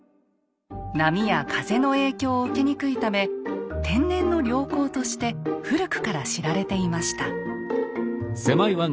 波や風の影響を受けにくいため天然の良港として古くから知られていました。